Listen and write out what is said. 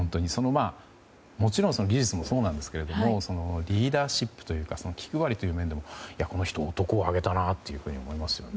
もちろん技術もそうですがリーダーシップというか気配りという面でもこの人、男を上げたなというふうに思いますよね。